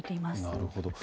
なるほど。